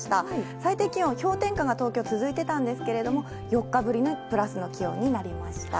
最低気温、氷点下が東京続いてたんですけど、４日ぶりにプラスの気温になりました。